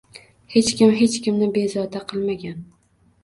Hech kim hech kimni bezovta qilmagan